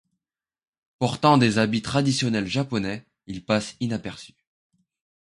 Portant des habits traditionnels japonais il passe inaperçu.